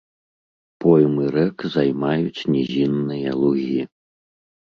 Поймы рэк займаюць нізінныя лугі.